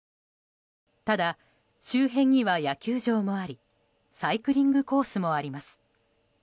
ただ、周辺には野球場もありサイクリングコースもあります。